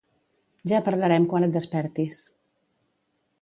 Ja parlarem quan et despertis